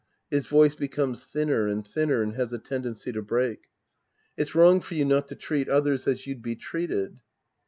{His voice becomes thinner and thinner and has a tendency to break.) It's wrong for you not to treat others as you'd be treated.